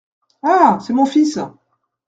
Ah ! c’est mon fils.